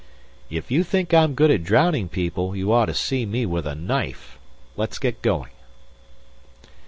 "If you think I'm good at drowning people, you ought to see me with a knife. Let's get going."